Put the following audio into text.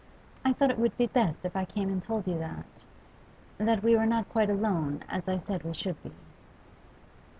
I thought it would be best if I came and told you that that we were not quite alone, as I said we should be.